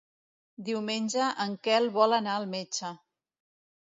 Diumenge en Quel vol anar al metge.